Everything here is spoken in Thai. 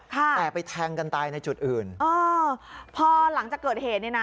แต่ไปแทงกันตายในจุดอื่นเออพอหลังจากเกิดเหตุเนี่ยนะ